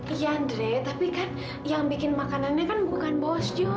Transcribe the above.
iya andre tapi kan yang bikin makanannya kan bukan bos juga